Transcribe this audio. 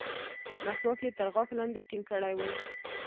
مسواک يې تر غاښ لاندې ټينګ کړى و.